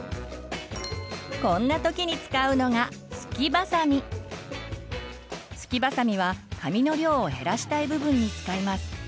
こんな時に使うのがスキバサミは髪の量を減らしたい部分に使います。